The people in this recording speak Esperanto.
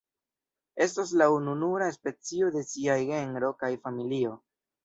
Estas la ununura specio de siaj genro kaj familio.